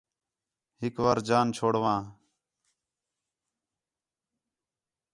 ہِک وار جان چھوڑ واں